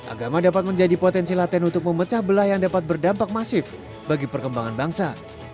agama dapat menjadi potensi laten untuk memecah belah yang dapat berdampak masif bagi perkembangan bangsa